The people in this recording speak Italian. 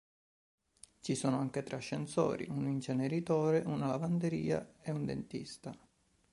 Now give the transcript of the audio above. Ci sono anche tre ascensori, un inceneritore, una lavanderia e un dentista.